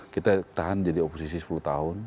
kita tahan jadi oposisi sepuluh tahun